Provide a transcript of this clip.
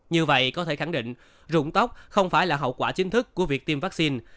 như vậy có thể khẳng định dụng tóc không phải là hậu quả chính thức của việc tiêm vaccine